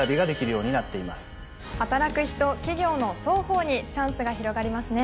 働く人企業の双方にチャンスが広がりますね。